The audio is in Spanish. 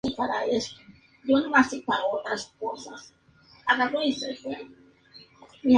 Actualmente es entrenador y tertuliano en programas deportivos.